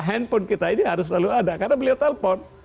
handphone kita ini harus selalu ada karena beliau telpon